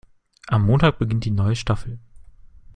Am Montag beginnt die neue Staffel.